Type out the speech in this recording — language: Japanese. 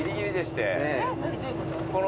何どういうこと？